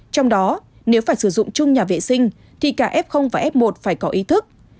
trong đó nếu phải sử dụng chung nhà vệ sinh thì cả f và f một phải có ý thức